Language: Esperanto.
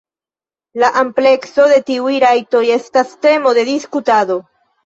La amplekso de tiuj rajtoj estas temo de diskutado.